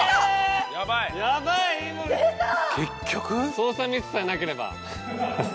操作ミスさえなければ。